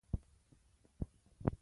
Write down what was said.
کلونه کېږي احمد په یوه سوغلۍ کې اوسېږي.